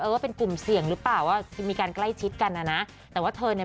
ว่าเป็นกลุ่มเสี่ยงหรือเปล่าว่ามีการใกล้ชิดกันนะนะแต่ว่าเธอเนี่ย